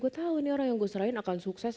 gue tahu nih orang yang gue serahin akan sukses